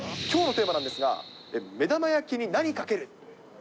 きょうのテーマなんですが、目玉焼きに何かける？